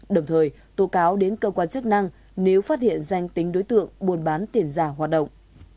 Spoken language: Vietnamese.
đồng thời tố cáo đến cơ quan chức năng nếu phát hiện danh tính đối tượng buôn bán tiền giả hoạt động